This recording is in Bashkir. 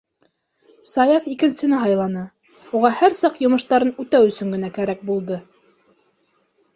Саяф икенсене һайланы. уға һәр саҡ йомоштарын үтәү өсөн генә кәрәк булды.